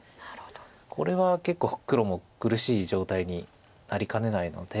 これは結構黒も苦しい状態になりかねないので。